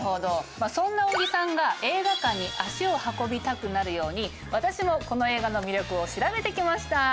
そんな小木さんが映画館に足を運びたくなるように私もこの映画の魅力を調べて来ました！